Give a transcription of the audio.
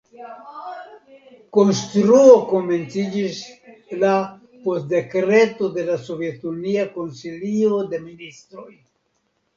Konstruo komenciĝis la post dekreto de la Sovetunia Konsilio de Ministroj.